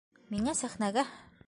Миңә сәхнәгә!